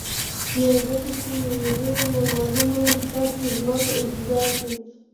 یا ځکه چي یو نوی، نامعلوم درد زما په انتظار دی